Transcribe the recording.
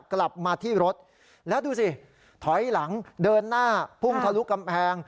กลับมาที่รถแล้วดูสิถอยหลังเดินหน้าพุ่งทะลุกำแพง